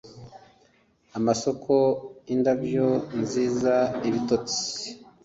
amasoko, indabyo nziza, ibitotsi!